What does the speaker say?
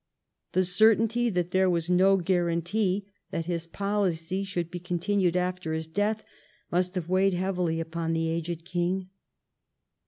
The certainty that there Avas no guarantee that his policy should be continued after his death must have Aveiglied heavily upon the aged king.